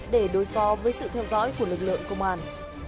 để đối phó với sự theo dõi của lực lượng công an